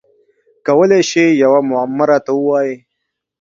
کولای شی یوه معما راته ووایی؟